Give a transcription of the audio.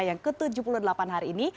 yang ke tujuh puluh delapan hari ini